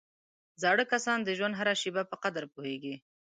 زاړه کسان د ژوند هره شېبه په قدر پوهېږي